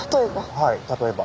はい例えば。